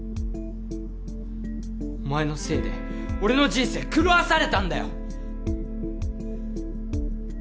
お前のせいで俺の人生狂わされたんだよ！